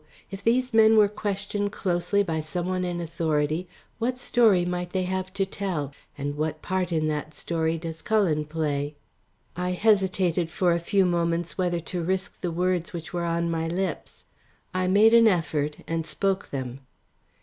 If these men were questioned closely by some one in authority, what story might they have to tell and what part in that story does Cullen play?" I hesitated for a few moments whether to risk the words which were on my lips. I made an effort and spoke them.